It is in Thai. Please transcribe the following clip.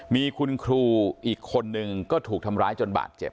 มีคุณครูอีกคนนึงก็ถูกทำร้ายจนบาดเจ็บ